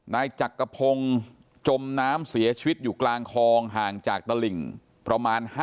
นายจักรพงศ์จมน้ำเสียชีวิตอยู่กลางคลองห่างจากตลิ่งประมาณ